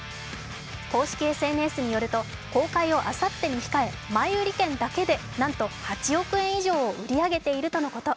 公式ＳＮＳによると公開をあさってに控え前売り券だけでなんと８億円以上を売り上げているとのこと。